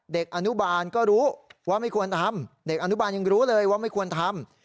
เด็กอนุบาลก็รู้ว่าไม่ควรทำเด็กอนุบาลยังรู้เลยว่าไม่ควรทำ